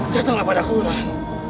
datanglah padaku wulan